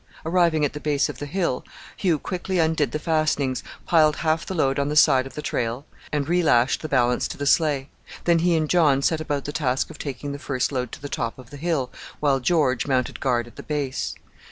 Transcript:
Arriving at the base of the hill, Hugh quickly undid the fastenings, piled half the load on the side of the trail, and relashed the balance to the sleigh; then he and John set about the task of taking the first load to the top of the hill, while George mounted guard at the base.